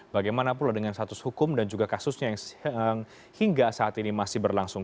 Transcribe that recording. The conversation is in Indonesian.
bagaimana pula dengan status hukum dan juga kasusnya yang hingga saat ini masih berlangsung